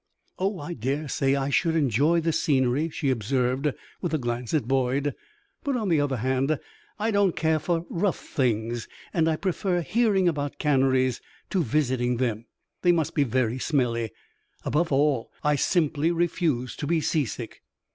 "Oh, I dare say I should enjoy the scenery," she observed, with a glance at Boyd; "but, on the other hand, I don't care for rough things, and I prefer hearing about canneries to visiting them. They must be very smelly. Above all, I simply refuse to be seasick."